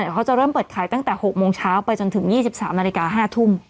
เขาจะเริ่มเปิดขายตั้งแต่๖โมงเช้าไปจนถึง๒๓นาฬิกา๕ทุ่ม